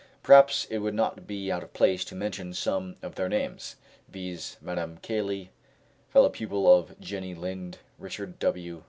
Perhaps it would not be out of place to mention some of their names, viz., Madame Caley, fellow pupil of Jenny Lind, Richard W.